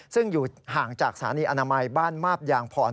ซึ่งอยู่ห่างจากสถานีอนามัยบ้านมาบยางพร